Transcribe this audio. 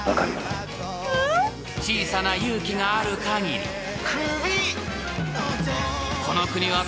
［小さな勇気があるかぎり］